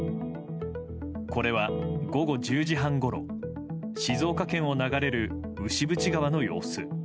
これは、午後１０時半ごろ静岡県を流れる牛渕川の様子。